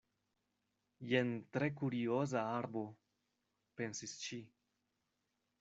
"Jen tre kurioza arbo," pensis ŝi.